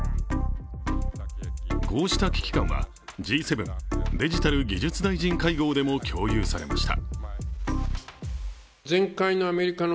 こうした危機感はＧ７デジタル・技術大臣会合でも共有されました。